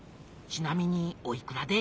ちなみにおいくらで？